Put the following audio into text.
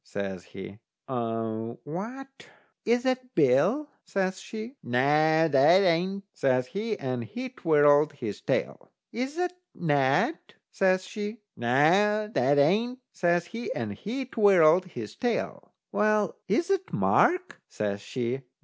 says he. "What, is that Bill?" says she. "Noo, that ain't," says he, and he twirled his tail. "Is that Ned?" says she. "Noo, that ain't," says he, and he twirled his tail. "Well, is that Mark?" says she.